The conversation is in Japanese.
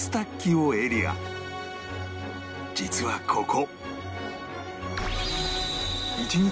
実はここ